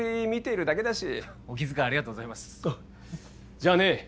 じゃあね